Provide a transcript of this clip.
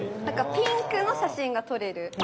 だからピンクの写真が撮れる。